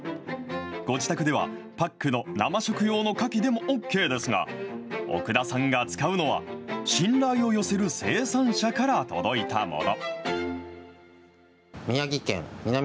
ご自宅では、パックの生食用のかきでもオーケーですが、奥田さんが使うのは、信頼を寄せる生産者から届いたもの。